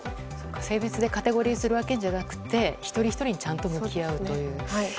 性別でカテゴリーするわけじゃなく一人ひとりにちゃんと向き合うという。